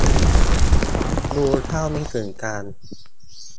รู้เท่าไม่ถึงการณ์